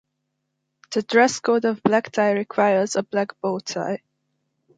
The dress code of "black tie" requires a black bow tie.